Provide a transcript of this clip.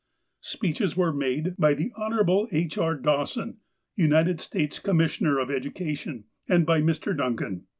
Speeches were made by the Hon. H. E. Dawson, United States Commissioner of Education, and by Mr. Duncan.